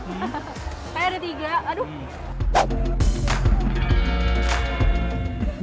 kayak ada tiga aduh